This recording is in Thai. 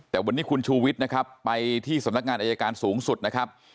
แต่วันนี้คุณชูวิทย์นะครับไปที่สำนักงานอายการสูงสุดนะครับ